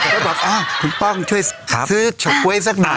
แล้วครับจะบอกห้าคุณป้องช่วยซื้อซื้อชังไง